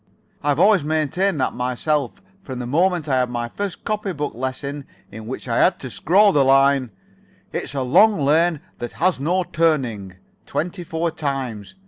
I've always maintained that myself from the moment I had my first copy book lesson in which I had to scrawl the line, 'It's a long lane that has no turning,' twenty four times.